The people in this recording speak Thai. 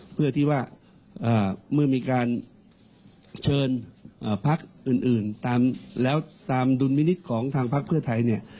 เพื่อที่ว่าเมื่อมีการเชิญพักอื่นตามแล้วตามดุลมินิษฐ์ของทางพักเพื่อไทยเนี่ย